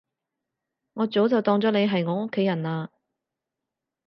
我早就當咗你係我屋企人喇